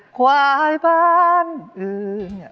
ควายบ้านอื่น